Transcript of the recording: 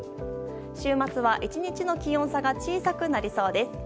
週末は１日の気温差が小さくなりそうです。